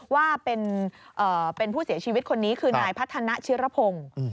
ว่าเป็นผู้เสียชีวิตคนนี้คือนายพัฒนาชิรพงศ์